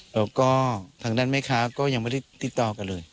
แล้วก็ทางด้านแม่ค้าก็ยังไม่ได้ติดต่อกันเลย